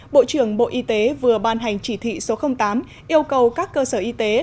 bộ trưởng bộ y tế vừa ban hành chỉ thị số tám yêu cầu các cơ sở y tế